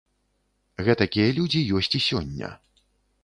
Гэтакія людзі ёсць і сёння.